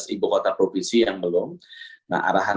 ibu kota provinsi yang belum nah arahan